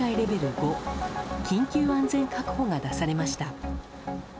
５緊急安全確保が出されました。